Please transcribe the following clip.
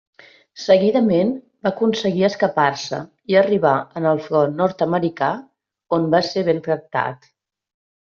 Seguidament va aconseguir escapar-se i arribar en el front nord-americà, on va ser ben tractat.